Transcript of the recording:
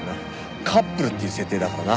カップルっていう設定だからな。